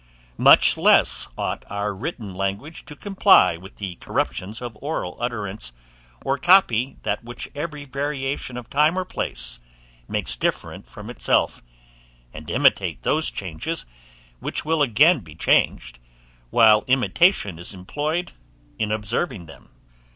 Much less ought our written language to comply with the corruptions of oral utterance, or copy that which every variation of time or place makes different from itself, and imitate those changes, which will again be changed, while imitation is employed in observing them.